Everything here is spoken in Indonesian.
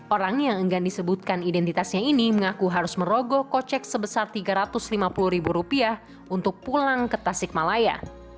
orang yang enggan disebutkan identitasnya ini mengaku harus merogoh kocek sebesar rp tiga ratus lima puluh ribu rupiah untuk pulang ke tasikmalaya